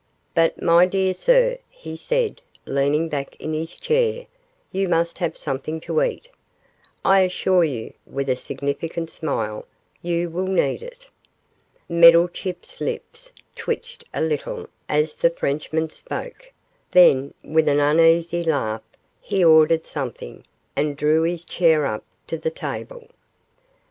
'But, my dear sir,' he said, leaning back in his chair, 'you must have something to eat. I assure you,' with a significant smile, 'you will need it.' Meddlechip's lips twitched a little as the Frenchman spoke, then, with an uneasy laugh, he ordered something, and drew his chair up to the table.